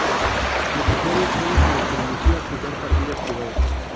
Los usuarios sólo se les permitía jugar partidas privadas.